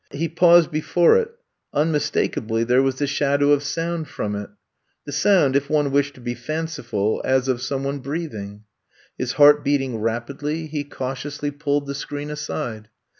He paused before it, un mistakably there was the shadow of sound from it. The sound, if one wished to be 46 I'VE COMB TO STAY fanciful, as of some one breathing. His heart beating rapidly, he cautiously pulled the screen aside.